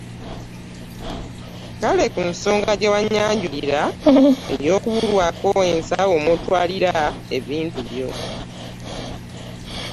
Kale ku nsonga gye wannyanjulira ey'okubulwako ensawo mw'otwalira ebintu byo.